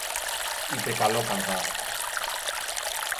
είπε καλόκαρδα